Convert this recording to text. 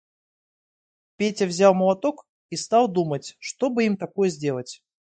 Петя взял молоток и стал думать, что бы им такое сделать.